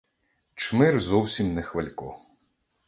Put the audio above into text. Чмир зовсім не хвалько.